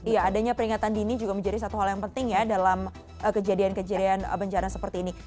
iya adanya peringatan dini juga menjadi satu hal yang penting ya dalam kejadian kejadian bencana seperti ini